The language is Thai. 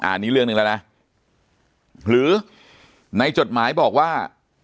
อันนี้เรื่องหนึ่งแล้วนะหรือในจดหมายบอกว่า